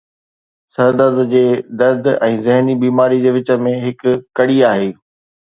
سر درد جي درد ۽ ذهني بيماري جي وچ ۾ هڪ ڪڙي آهي